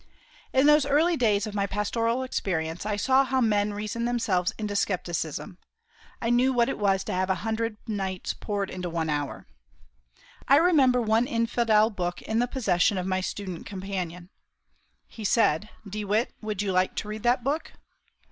In those early days of my pastoral experience I saw how men reason themselves into scepticism. I knew what it was to have a hundred nights poured into one hour. I remember one infidel book in the possession of my student companion. He said, "DeWitt, would you like to read that book?"